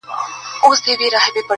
تا پټ کړی تر خرقې لاندي تزویر دی٫